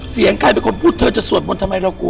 เสียงใครเป็นคนพูดเธอจะสวดมนต์ทำไมเรากลัว